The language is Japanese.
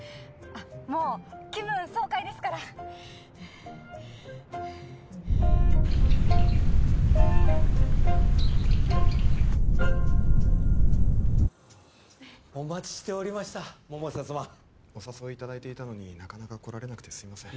もう気分爽快ですからお待ちしておりました百瀬様お誘いいただいていたのになかなか来られなくてすいません